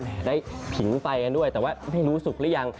ได้ผิงไปกันด้วยแต่ว่าไม่รู้สุกหรือยัง